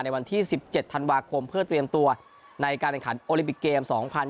วันที่๑๗ธันวาคมเพื่อเตรียมตัวในการแข่งขันโอลิมปิกเกม๒๐๑๖